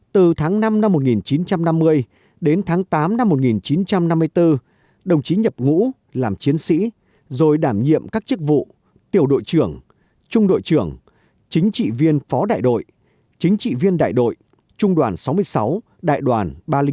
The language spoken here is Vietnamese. từ tháng năm năm một nghìn chín trăm năm mươi đến tháng tám năm một nghìn chín trăm năm mươi bốn đồng chí nhập ngũ làm chiến sĩ rồi đảm nhiệm các chức vụ tiểu đội trưởng trung đội trưởng chính trị viên phó đại đội chính trị viên đại đội trung đoàn sáu mươi sáu đại đoàn ba trăm linh bốn